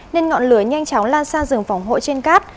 nên ngọn lửa nhanh chóng lan sang rừng phòng hộ trên cát